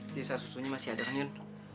sisa susunya masih ada angin